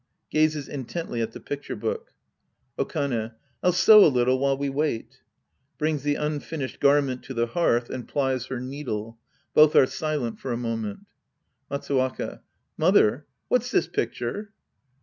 (Gazes intently at the picture book^ Okane. I'll sew a little while we wait, (Brings the unfinished garment to the hearth and plies her needle. Both are silent for a moment^ Matsuwaka. Mother. What's this picture